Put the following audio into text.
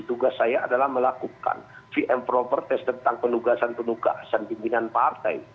tugas saya adalah melakukan vmpro pertes tentang penugasan penugasan pimpinan partai